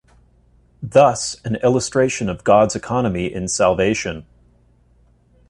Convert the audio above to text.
Thus an illustration of God's Economy in Salvation.